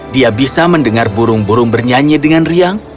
dia bisa mendengar burung burung bernyanyi dengan riang